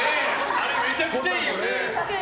めちゃくちゃいいよね。